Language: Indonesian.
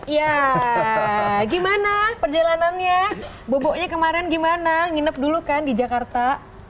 ya gimana perjalanannya bobonya kemarin gimana nginep dulu kan di jakarta